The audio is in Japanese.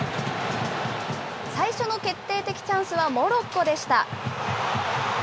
最初の決定的チャンスはモロッコでした。